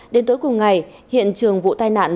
đến tối cùng ngày hiện trường vụ tai nạn